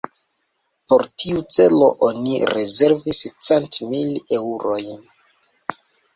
Por tiu celo oni rezervis cent mil eŭrojn.